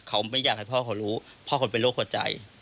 เขาไม่อยากให้พ่อเขารู้พ่อเขาเป็นโรคหัวใจ